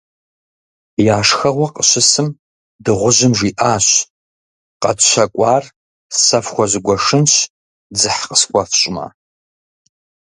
Я шхэгъуэ къыщысым, дыгъужьым жиӀащ: - КъэтщэкӀуар сэ фхуэзгуэшынщ, дзыхь къысхуэфщӀмэ.